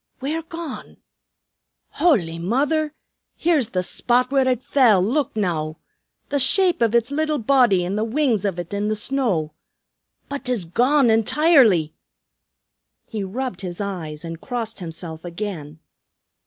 Where gone? Howly Mither! Here's the spot where ut fell, look now! The shape of uts little body and the wings of ut in the snow. But 'tis gone intirely!" He rubbed his eyes and crossed himself again.